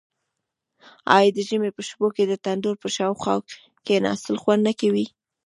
آیا د ژمي په شپو کې د تندور په شاوخوا کیناستل خوند نه کوي؟